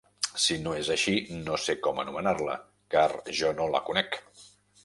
Si no és així, no sé com anomenar-la; car jo no la conec